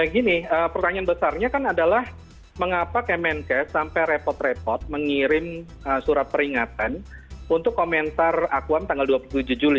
gini pertanyaan besarnya kan adalah mengapa kemenkes sampai repot repot mengirim surat peringatan untuk komentar akuam tanggal dua puluh tujuh juli